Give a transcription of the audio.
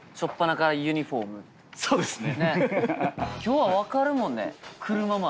そうですね。